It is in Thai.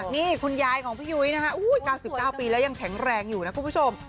นี่คุณยายของพี่ยุ้ยนะฮะ๙๙ปีแล้วยังแข็งแรงอยู่นะคุณผู้ชม